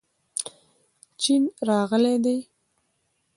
چین راغلی دی.